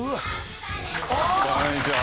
こんにちは。